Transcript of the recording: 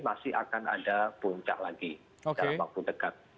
masih akan ada puncak lagi dalam waktu dekat